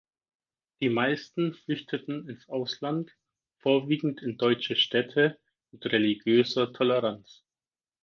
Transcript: Die meisten flüchteten ins Ausland, vorwiegend in deutsche Städte mit religiöser Toleranz.